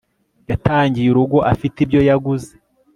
yatangiye urugo afite ibyo yaguze